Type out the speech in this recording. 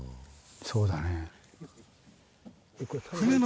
そうだね。